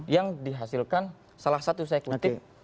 yang dihasilkan salah satu sekretik